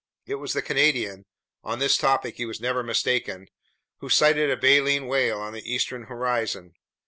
It was the Canadian—on this topic he was never mistaken—who sighted a baleen whale on the eastern horizon.